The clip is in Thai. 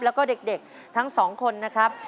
แล้วก็เด็กทั้งสองคนนะครับ